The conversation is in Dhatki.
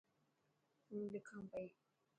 هو لکان پئي.